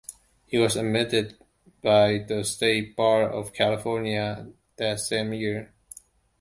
He was admitted by the State Bar of California that same year.